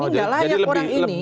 ini tidak layak orang ini